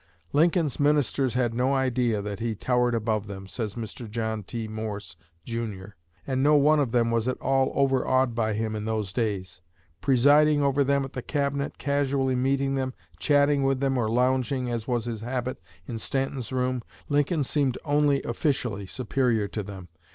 "Lincoln's ministers had no idea that he towered above them," says Mr. John T. Morse, Jr., "and no one of them was at all overawed by him in those days. Presiding over them at the Cabinet, casually meeting them, chatting with them or lounging as was his habit in Stanton's room, Lincoln seemed only officially superior to them.